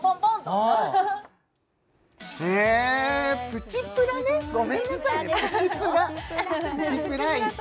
プチプラねごめんなさいねプチプラプチプライス！